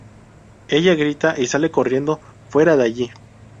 Ella grita y sale corriendo fuera de allí.